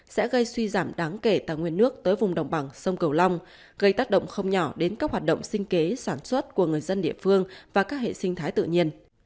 kể tài nguyên nước tới vùng đồng bằng sông cầu long gây tác động không nhỏ đến các hoạt động sinh kế sản xuất của người dân địa phương và các hệ sinh thái tự nhiên